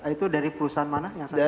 itu dari perusahaan mana yang saya serahkan